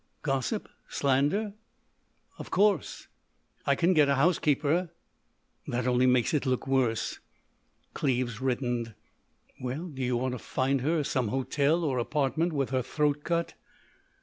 "Gossip? Slander?" "Of course." "I can get a housekeeper." "That only makes it look worse." Cleves reddened. "Well, do you want to find her in some hotel or apartment with her throat cut?"